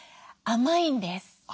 甘いんですか。